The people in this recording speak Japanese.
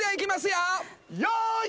よい。